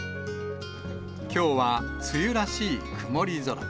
きょうは梅雨らしい曇り空。